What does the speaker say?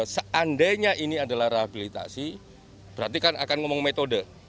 seandainya ini adalah rehabilitasi berarti kan akan ngomong metode